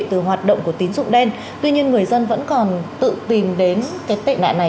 từ hoạt động của tín dụng đen tuy nhiên người dân vẫn còn tự tìm đến cái tệ nạn này